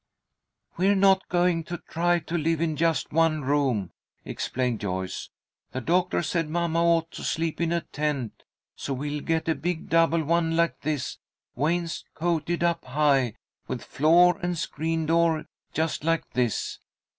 "We're not going to try to live in just one room," explained Joyce. "The doctor said mamma ought to sleep in a tent, so we'll get a big double one like this, wainscoted up high, with floor and screen door, just like this.